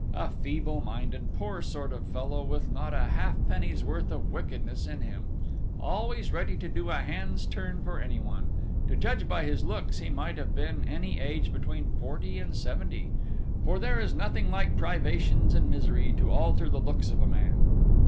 A feeble minded, poor sort of fellow, with not a halfpenny's worth of wickedness in him, always ready to do a hand's turn for anyone: to judge by his looks he might have been any age between forty and seventy, for there is nothing like privations and misery to alter the looks of a man!